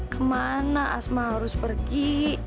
kemana asma harus pergi